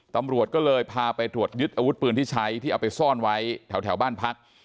ตำรวจก็เลยพาไปตรวจยึดอาวุธปืนที่ใช้ที่เอาไปซ่อนไว้แถวบ้านพัก